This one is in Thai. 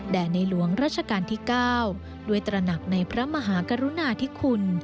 ในหลวงราชการที่๙ด้วยตระหนักในพระมหากรุณาธิคุณ